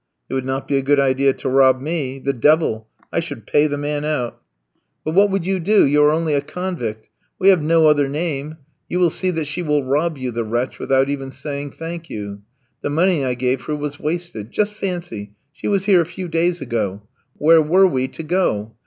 "It would not be a good idea to rob me. The devil! I should pay the man out." "But what would you do, you are only a convict? We have no other name. You will see that she will rob you, the wretch, without even saying, 'Thank you.' The money I gave her was wasted. Just fancy, she was here a few days ago! Where were we to go?